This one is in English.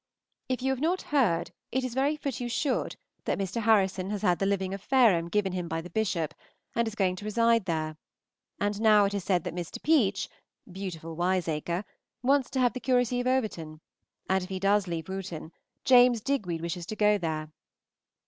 If you have not heard it is very fit you should, that Mr. Harrison has had the living of Fareham given him by the Bishop, and is going to reside there; and now it is said that Mr. Peach (beautiful wiseacre) wants to have the curacy of Overton, and if he does leave Wootton, James Digweed wishes to go there.